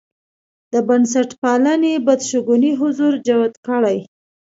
د بنسټپالنې بدشګونی حضور جوت کړي.